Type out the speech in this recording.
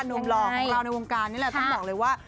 หล่อของเราในวงการนี่แหละต้องบอกเลยว่า